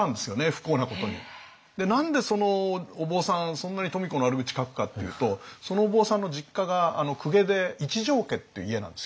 そんなに富子の悪口書くかっていうとそのお坊さんの実家が公家で一条家っていう家なんですよ。